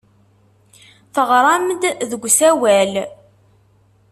Teɣram-d deg usawal.